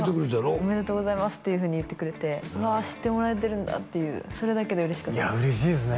「おめでとうございます」っていうふうに言ってくれて「わっ知ってもらえてるんだ」っていうそれだけで嬉しかったいや嬉しいですね